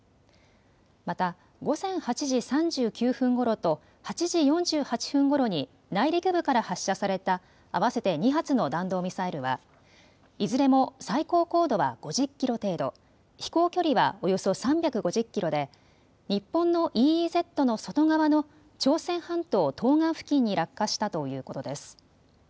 また午前８時３９分ごろと８時４８分ごろに内陸部から発射された合わせて２発の弾道ミサイルはいずれも最高高度は５０キロ程度、飛行距離はおよそ３５０キロで日本のＥＥＺの外側の朝鮮半島東岸付近に落下したということです。